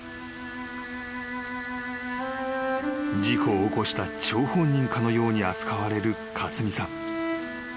［事故を起こした張本人かのように扱われる勝美さん］